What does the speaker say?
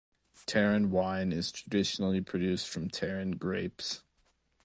Teran wine is traditionally produced from teran grapes.